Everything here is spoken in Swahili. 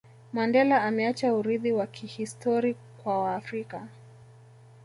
Mandela ameacha urithi wa kihistori kwa waafrika